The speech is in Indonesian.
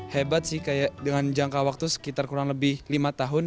hebat sih dengan jangka waktu sekitar kurang lebih lima tahun